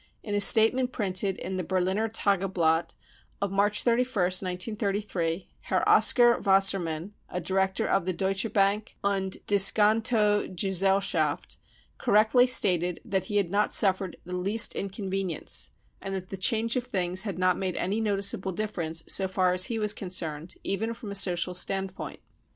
In a statement printed in the Berliner Tageblatt of March 31st, 1933, Herr Oskar Wasser mann, a director of the Deutsche Bank und Diskontogesell schaft, correctly stated that he had not suffered the least inconvenience, and that the change of things had not made any noticeable difference so far as he was concerned, even from a social standpoint.